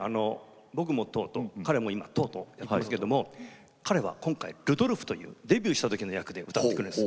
僕もトート彼も今トートやってますけども彼は今回ルドルフというデビューした時の役で歌ってくれるんです。